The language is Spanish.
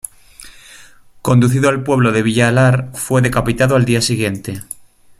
Conducido al pueblo de Villalar, fue decapitado al día siguiente.